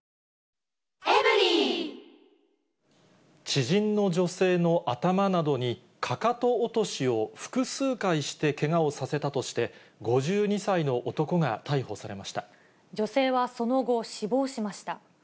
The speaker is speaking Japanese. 知人の女性の頭などに、かかと落としを複数回してけがをさせたとして、５２歳の男が逮捕女性はその後、死亡しました。